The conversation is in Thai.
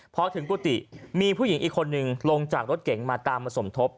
พอถึงกุฏิมีผู้หญิงอีกคนนึงลงจากรถเก๋งมาตามมาสมทบ